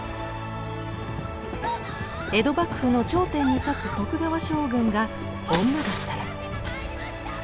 江戸幕府の頂点に立つ徳川将軍が女だったら。